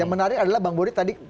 yang menarik adalah bang bori tadi